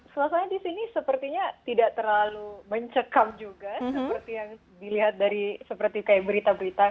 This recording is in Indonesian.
suasanya di sini sepertinya tidak terlalu mencekam juga seperti yang dilihat dari berita berita